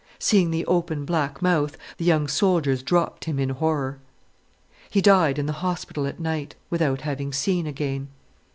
Seeing the open, black mouth the young soldiers dropped him in horror. He died in the hospital at night, without having seen again.